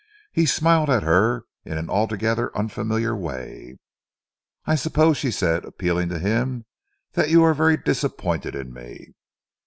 He smiled at her in an altogether unfamiliar way. "I suppose," she said, appealing to him, "that you are very disappointed in me?"